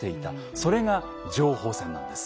それが情報戦なんです。